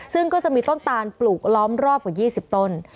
ซึ่งก็จะมีต้นตานปลูกล้อมรอบกว่า๒๐ต้น